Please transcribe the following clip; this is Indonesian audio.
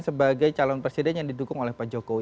sebagai calon presiden yang didukung oleh pak jokowi